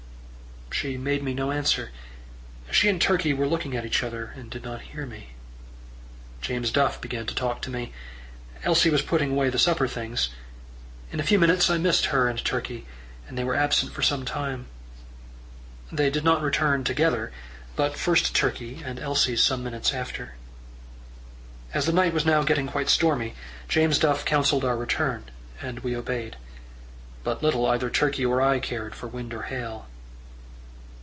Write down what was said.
She made me no answer. She and Turkey were looking at each other, and did not hear me. James Duff began to talk to me. Elsie was putting away the supper things. In a few minutes I missed her and Turkey, and they were absent for some time. They did not return together, but first Turkey, and Elsie some minutes after. As the night was now getting quite stormy, James Duff counselled our return, and we obeyed. But little either Turkey or I cared for wind or hail.